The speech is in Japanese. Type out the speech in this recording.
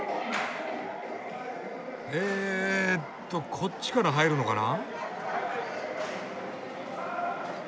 こっちから入るのかな？